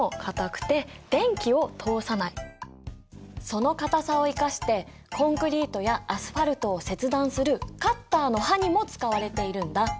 その硬さを生かしてコンクリートやアスファルトを切断するカッターの刃にも使われているんだ。